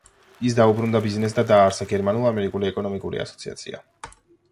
ის დაუბრუნდა ბიზნესს და დაარსა გერმანულ-ამერიკული ეკონომიკური ასოციაცია.